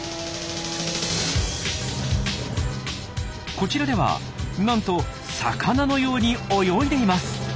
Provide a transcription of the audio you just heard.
こちらではなんと魚のように泳いでいます。